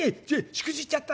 しくじっちゃった。